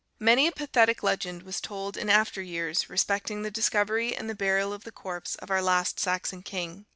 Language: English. Many a pathetic legend was told in after years respecting the discovery and the burial of the corpse of our last Saxon king.